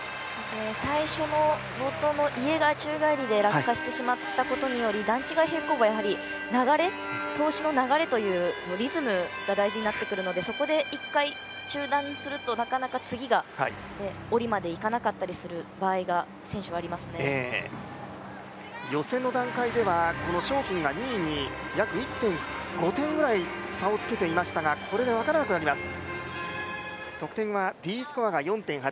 最初のイエガー宙返りで落下してしまったことにより段違い平行棒は、やはり、通しの流れというリズムが大事になってくるのでそこで一回中断するとなかなか次が、下りまでいかなかったりする場合が予選の段階では章キンが２位に約１．５点くらい差をつけていましたがこれで分からなくなります。